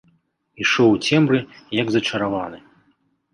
Ішоў у цемры, як зачараваны.